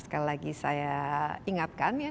sekali lagi saya ingatkan ya